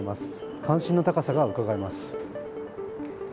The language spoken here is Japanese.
関心の高さがうかがえます。